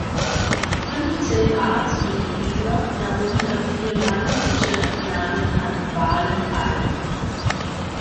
Fünfzehn Ratsmitglieder, darunter vier Mapuche, nahmen an den Wahlen teil.